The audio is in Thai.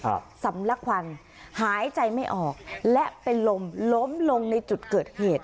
สำลักควันหายใจไม่ออกและเป็นลมล้มลงในจุดเกิดเหตุ